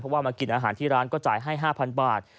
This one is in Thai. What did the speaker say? ว่ามากินอาหารที่ร้านก็จ่ายให้๕๐๐บาท